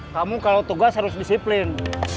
kamu kalau tugas harus disiplin